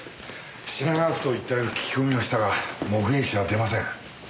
品川埠頭一帯を聞き込みましたが目撃者は出ません。